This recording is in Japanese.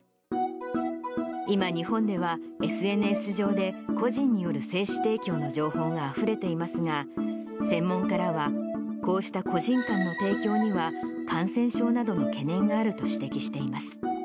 今、日本ではＳＮＳ上で個人による精子提供の情報があふれていますが、専門家らは、こうした個人間の提供には感染症などの懸念があると指摘しています。